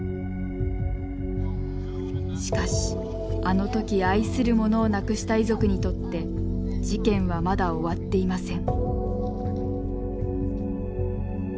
しかしあの時愛する者を亡くした遺族にとって事件はまだ終わっていません。